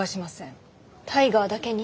タイガーだけに？